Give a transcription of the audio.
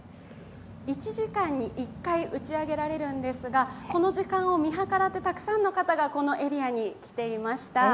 １時間に１回打ち上げられるんですが、この時間を見計らってたくさんの人がこのエリアに来ていました。